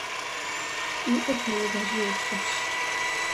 იყო ბოლო ვაჟი ოჯახში.